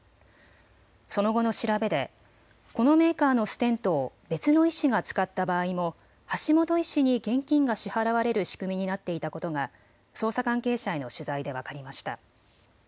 その後の調べでこのメーカーのステントを別の医師が使った場合も橋本医師に現金が支払われる仕組みになっていたことが捜査関係者への取材で分かりました。